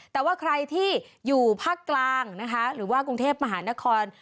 แต่ว่าใครที่อยู่ภาคกลางนะคะหรือว่ากรุงเทพมหานคร